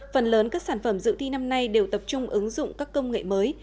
phần lớn các sản phẩm dự thi năm nay đều tập trung ứng dụng các công nghệ mới